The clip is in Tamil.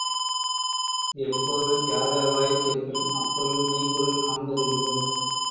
எப்பொருள் யார்யார்வாய் கேட்பினும் அப்பொருள் மெய்ப்பொருள் காண்ப தறிவு